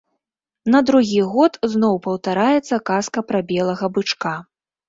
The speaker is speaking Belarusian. На другі год зноў паўтараецца казка пра белага бычка.